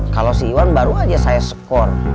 kalau si iwan baru aja saya skor